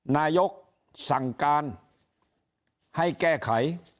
นายกสั่งการให้แก้ไข